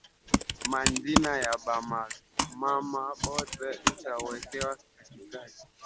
Ma njina ya ba mama bote itawekewa katikati